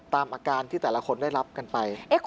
ตามอาการที่แต่ละคนได้รับกันไป